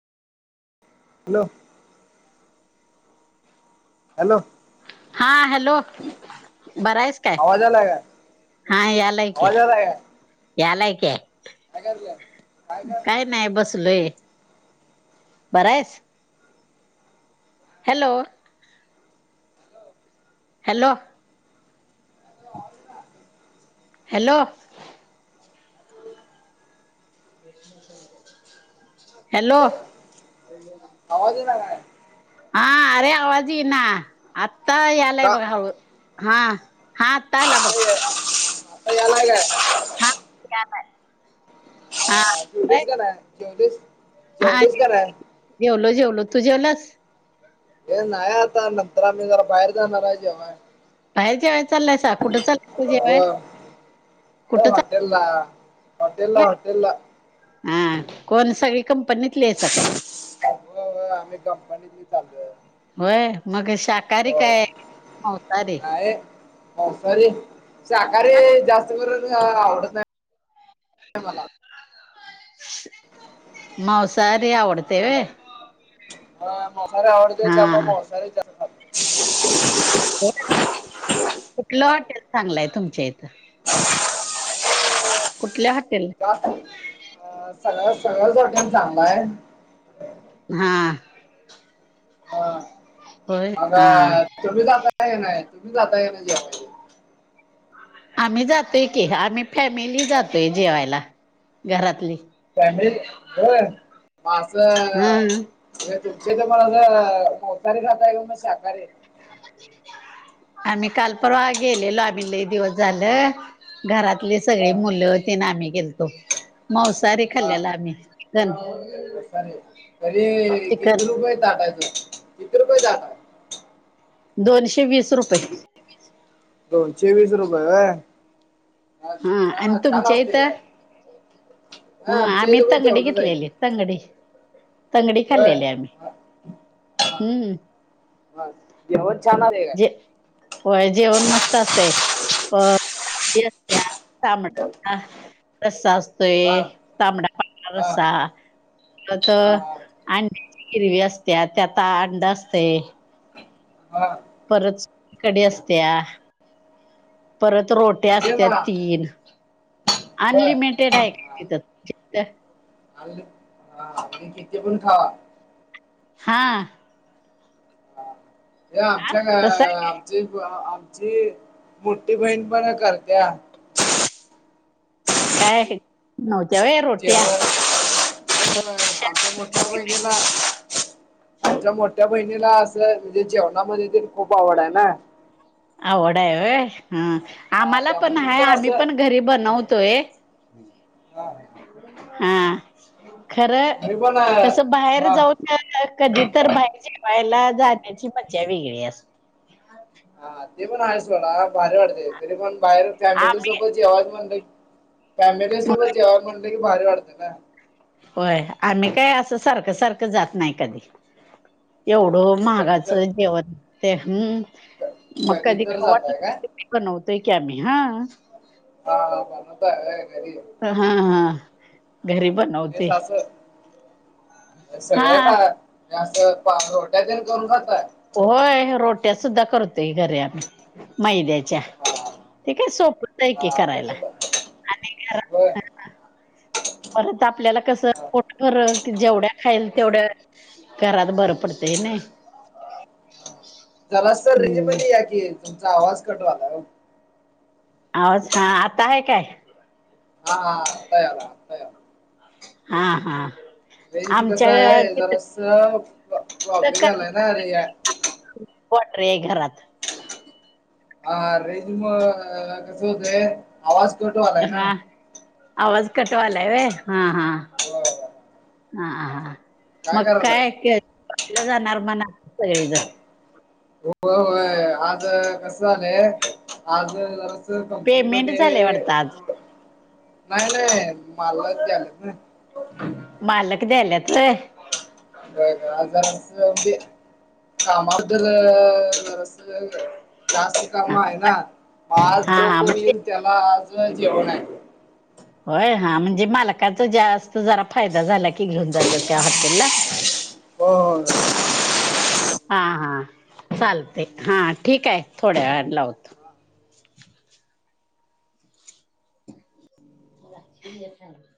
Hello. Hello. हा hello. बरा आहेस काय? आवाज आलाय काय हा यालाय, की आवाज आलाय काय यालाय की काय करायलाय काय नाही बसलोय, बरा आहेस. हॅलो. हॅलो. [inaudible] हॅलो. हॅलो. आवाज येईना काय? हा अरे आवाज येई ना, आता का यालाय बघ हळू. हा. हा आता आला बघ. आता यालाय काय? हा यालाय हा. जेवलीस का नाय? जेवलीस हा जेवलीस का नाय जेवलो जेवलो, तू जेवलास. हे नाही आता, नंतर आम्ही जरा बाहेर जाणार हाय जेवाय. बाहेर जेवाय चालल्यासा कुठं चाललायसा जेवाय? एय कुठं हॉटेल ला, हॉटेल ला, हॉटेल ला हम कोण सगळी कंपनीतली हाईसा काय? व्हय व्हय आम्ही कंपनीतली चाललोय. होय, मग शाकाहारी होय काय मावसारी? मावसारी, शाकाहारी जास्त करुन आवडत नाही. मला मावसाहारी आवडत. हॅलो. म मावसारी आवडतय हा त्यामुळं मावसारीच होय, कुठलं हॉटेल चांगलंय तुमच्या इथं? कुठल्या हॉटेल? [unintelligible] अ सगळं सगळंच हॉटेल चागल हाय. हां. हा होय. मग हा तुम्ही जाताय का नाई? तुम्ही जाताय काय नाही जेवाय? आम्ही जातोय की, आम्ही फॅमिली जातोय जेवायला घरातली फॅमिली होय मा असं. हं तुमच्या इथ मग मावसारी खाताय कि मग शाकाहारी [inaudible] आम्ही काल परवा गेलेलो, आम्ही लई दिवस झालं. घरातलली हा सगळी मुलं ते न आम्ही गेलतो. मावसारी खाल्लेल आम्ही तेन. मावसारी, तरी किती रुपय ताटाचे? किती रुपये ताट हाय? दोनशे वीस रुपये. दोनशे विस रुपये होय हा अन तुमच्या ईथ असतंय काय? हा आमच्या आम्ही इथे पण तंगडी तेवढंच आहे की. घेतलेली तंगडी तंगडी होय खाल्लेली आम्ही हा, हा, हम्म हा. जेवण छान आले काय जे होय जेवण मस्त असतं एक प हेआमट आ रस्सा असतोय, हा तांबडा पांढरा हा रस्सा तर त हा हा आंड्याची हिरवी असत्या त्यात आंड असतय हा परतस कढी असतेया परत रोट्या ये ना असत्यात तीन होय अनलिमिट टेढा आहे की तिथं. [unintelligible] अनलिप हा आणि किती पण खावा हा या आमच्या गा तस आमची ब आमची मोठी बहीण पण करत्या. काय नव्हत्या होय रोट्या. जेवण आमच्या मोठ्या वहिनीला आमच्या मोठ्या बहिणीला अस म्हणजे जेवणामध्ये ते खूप आवड आहे ना. आवड आहे होय ह हा आम्हाला पण त्यामुळे ती आहे, आम्ही असं पण घरी बनवतोय. [unintelligible] हा हा खरंय तुम्ही पण अं, कस बाहेर हा जाऊन कधी तर बाहेर जे पाह्यला जाण्याची मज्जा वेगळी अस हा ते पण आहेच सोडा भारी वाटते तरी पण बाहेर फॅमिली आम्ही सोबत जेवाय म्हणलं फॅमिली सोबत जेवायल म्हणलं की भारी वाटते ना. होय, आम्ही काय असं सारखं सारखं जात नाही कधी हा एवढं म्हणजे कधी तर महागाचं जेवण ते हम्म, क- मग कधी तर खाऊ वाटे जाताय काय बनवतोय की आम्ही ह [unintelligible] अ ह ह घरी बनवते. अ सगळं खा, जास्त पांग रोट्या तेन करून खातय. होय, रोट्या सुद्धा करतोय घरी आम्ही, मैद्याच्या. ते हा काय सोप हा त ते ब ब परत आपल्याला कसं हा पोटभर की जेवढ्या खाईल तेवढ घरात बरं पडतेय नाही. जरा सर रेंज हम्म मधी या कि, तुमचा आवाज कट व्हायला हो. आवाज हा आता आहे काय? हा हा कयाला हा हा रेंज कस आमच्या आहे जरा तिथं अस प प्रॉब्लेम झालाय ना रे यात वॉट रे हे घरात. आ रेंज मूळ कस होतय आवाज कट व्हायलाय ना हा आवाज कटवाला होय हा हा हो हा हा काय मग करायलाय कायला जाणार मणा सगळेजण हो होय आज कस झालंय आज जरा जर कंपनी पेमेंट झालंय मध्ये वाटतं आज. पुढ-' नाही नाही मालक द्यालेत व्हय. मालक द्यायल्यात होय. होय का'? जरास ते कामाद्दल जरास जास्ती काम हा आहे ना. हा आज जो हा, कोणी म्हणजे येईल त्याल हा आज हॉटेला जेवण आहे. होय, हा म्हणजे मालकाच जास्त जरा फायदा झाला कि घेऊन जातात काय? हॉटेलला. हो हो हा हा चालते. हा ठीके. थोड्या वेळाने लावतो. आहे खल [inaudible]